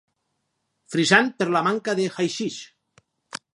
Frisant per la manca de haixix.